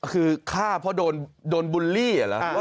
คือฆ่าเพราะโดนบูลลี่เหรอ